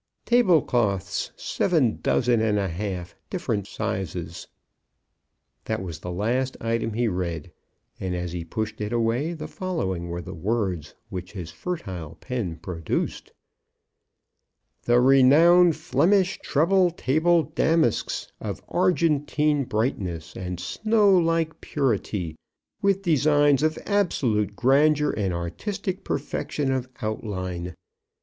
"Tablecloths, seven dozen and a half, different sizes." That was the last item he read, and as he pushed it away, the following were the words which his fertile pen produced: The renowned Flemish Treble Table Damasks, of argentine brightness and snow like purity, with designs of absolute grandeur and artistic perfection of outline.